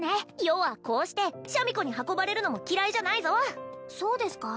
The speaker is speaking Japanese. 余はこうしてシャミ子に運ばれるのも嫌いじゃないぞそうですか？